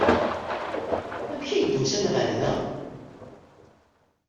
Amek ay d-usan ɣer da?